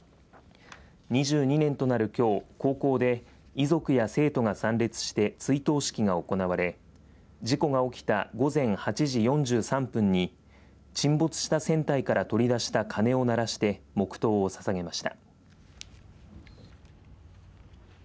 ２２年となる、きょう高校で遺族や生徒が参列して追悼式が行われ事故が起きた午前８時４３分に沈没した船体から取り出した鐘を鳴らして黙とうをささげました。